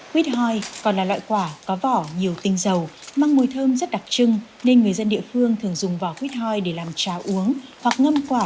quýt hòi còn là loại quả có vỏ nhiều tinh dầu mang mùi thơm rất đặc trưng nên người dân địa phương thường dùng vỏ quýt hòi để làm trà uống hoặc ngâm quả